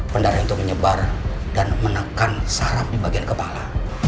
pendarahan itu menyebar dan menekan sarap di bagian kepala